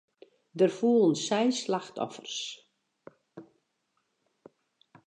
Der foelen seis slachtoffers.